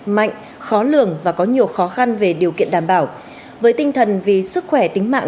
mạnh khó lường và có nhiều khó khăn về điều kiện đảm bảo với tinh thần vì sức khỏe tính mạng